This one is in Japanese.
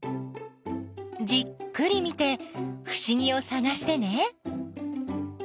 じっくり見てふしぎをさがしてね。